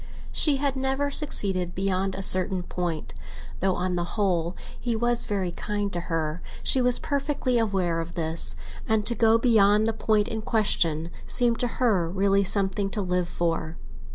She had never succeeded beyond a certain point. Though, on the whole, he was very kind to her, she was perfectly aware of this, and to go beyond the point in question seemed to her really something to live for.